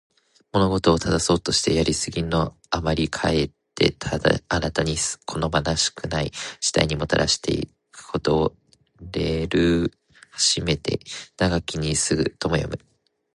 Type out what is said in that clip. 物事を正そうとして、やりすぎのあまりかえって新たに好ましくない事態をもたらしてしまうこと。「枉れるを矯めて直きに過ぐ」とも読む。